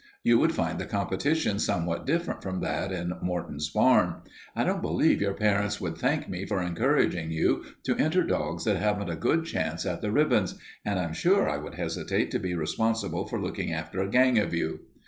You would find the competition somewhat different from that in Morton's barn. I don't believe your parents would thank me for encouraging you to enter dogs that haven't a good chance at the ribbons, and I'm sure I would hesitate to be responsible for looking after a gang of you."